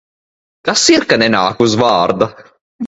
Kas ir, ka nenāk uz vārda?